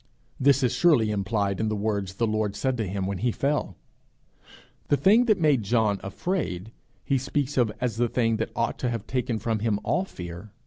This is surely implied in the words the Lord said to him when he fell! The thing that made John afraid, he speaks of as the thing that ought to have taken from him all fear.